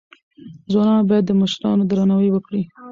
ځوانان باید د مشرانو درناوی وکړي.